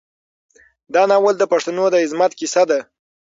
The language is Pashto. دا ناول د پښتنو د عظمت کیسه ده.